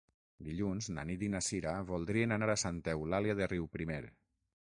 Dilluns na Nit i na Cira voldrien anar a Santa Eulàlia de Riuprimer.